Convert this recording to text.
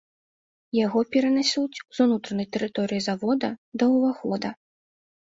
Яго перанясуць з унутранай тэрыторыі завода да ўвахода.